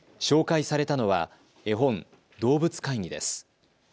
紹介されたのは絵本、動物会議です。